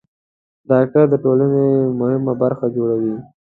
ډاکټران د ټولنې مهمه برخه جوړوي.